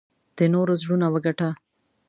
د نورو زړونه وګټه .